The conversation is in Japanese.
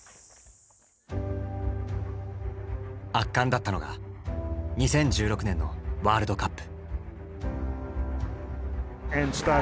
圧巻だったのが２０１６年のワールドカップ。